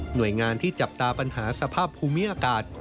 โดยงานที่จับตาปัญหาสภาพภูมิอากาศ